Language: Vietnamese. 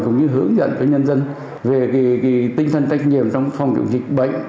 cùng như hướng dẫn cho nhân dân về tinh thần trách nhiệm trong phòng trọng dịch bệnh